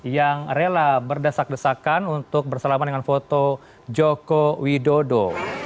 yang rela berdesak desakan untuk bersalaman dengan foto joko widodo